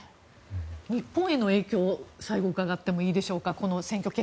日本への影響を最後に伺ってもいいでしょうか。